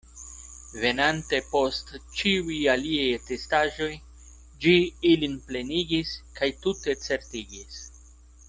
Venante post ĉiuj aliaj atestaĵoj, ĝi ilin plenigis kaj tute certigis.